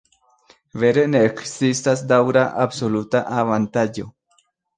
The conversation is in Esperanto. Vere ne ekzistas daŭra absoluta avantaĝo.